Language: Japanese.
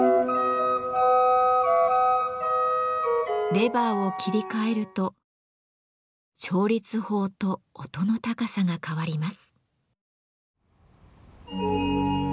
レバーを切り替えると調律法と音の高さが変わります。